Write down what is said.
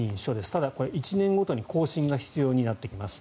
ただ、これは１年ごとに更新が必要になってきます。